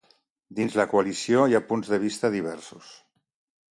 Dins la coalició hi ha punts de vista diversos.